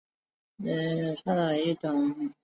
粉叶蕨为裸子蕨科粉叶蕨属下的一个种。